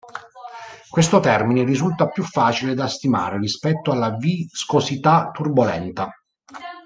Questo termine risulta più facile da stimare rispetto alla viscosità turbolenta.